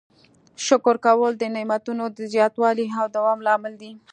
شکر کول د نعمتونو د زیاتوالي او دوام لامل دی.